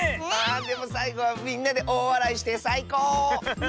でもさいごはみんなでおおわらいしてさいこう！